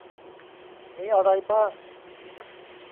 มีอะไรบ้าง